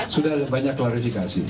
sudah banyak klarifikasi tadi